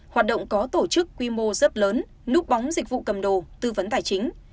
hoạt động có tổ chức quy mô rất lớn núp bóng dịch vụ cầm đồ tư vấn tài chính